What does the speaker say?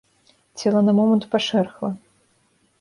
Цела на момант пашэрхла.